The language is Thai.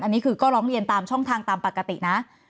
อันนี้คือก็ร้องเรียนตามช่องทางตามปกตินะ